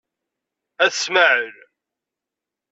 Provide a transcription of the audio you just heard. Ayt Smaεel.